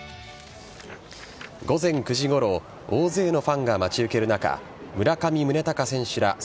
午前９時ごろ大勢のファンが待ち受ける中村上宗隆選手ら侍